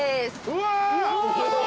うわ！